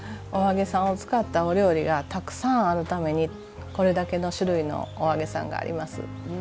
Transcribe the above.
お揚げさんを使ったお料理がたくさんあるためにこれだけの種類のお揚げさんがあります。